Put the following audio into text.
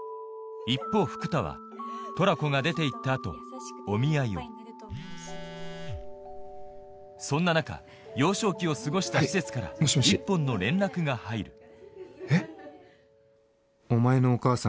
一方福多はトラコが出て行った後お見合いをそんな中幼少期を過ごした施設から一本の連絡が入るえっ？